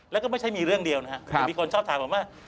แล้วก็ไม่ใช่มีเรื่องเดียวนะครับแต่มีคนชอบถามผมว่า